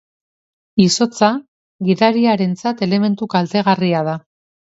Izotza gidariarentzat elementu kaltegarria da.